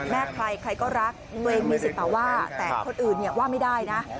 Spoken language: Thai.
ใครใครก็รักตัวเองมีสิทธิ์มาว่าแต่คนอื่นเนี่ยว่าไม่ได้นะ